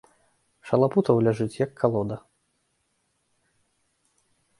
Шалапутаў ляжыць, як калода.